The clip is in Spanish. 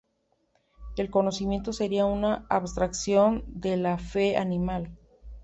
El conocimiento sería una "abstracción" de la fe animal.